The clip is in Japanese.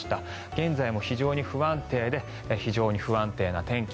現在も非常に不安定で非常に不安定な天気。